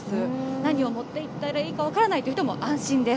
何を持っていったらいいか分からないという人も安心です。